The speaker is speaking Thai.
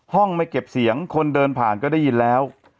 ห้องไม่เก็บเสียงคนเดินผ่านก็ได้ยินแล้ว